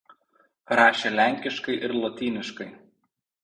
Rašė lenkiškai ir lotyniškai.